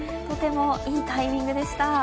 とてもいいタイミングでした。